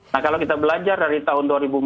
nah kalau kita belajar dari tahun dua ribu empat belas